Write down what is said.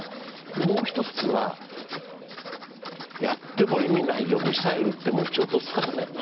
もう一つは、やっても意味ないよミサイルを撃っても撃ち落とすからね。